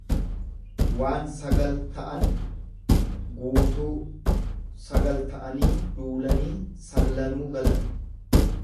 waan sagal ta'an, guutuu; Sagal ta'anii duulaniiti salganuu galan.